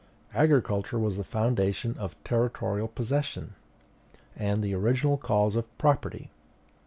Agriculture was the foundation of territorial possession, and the original cause of property.